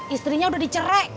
istrinya udah dicerai